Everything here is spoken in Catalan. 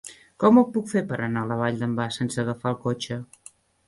Com ho puc fer per anar a la Vall d'en Bas sense agafar el cotxe?